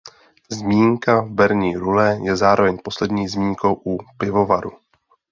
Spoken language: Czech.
Zmínka v berní rule je zároveň poslední zmínkou u pivovaru.